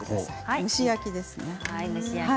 蒸し焼きです。